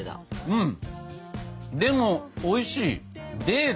うん。